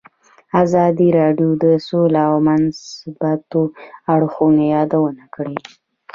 ازادي راډیو د سوله د مثبتو اړخونو یادونه کړې.